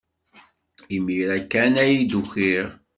Imir-a kan ay d-ukiɣ.